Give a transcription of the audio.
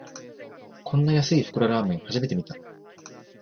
こんな安い袋ラーメン、初めて見た